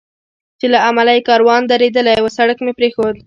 چې له امله یې کاروان درېدلی و، سړک مې پرېښود.